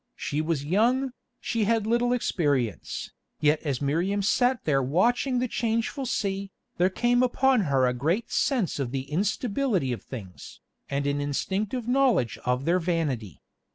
She was young, she had little experience, yet as Miriam sat there watching the changeful sea, there came upon her a great sense of the instability of things, and an instinctive knowledge of their vanity.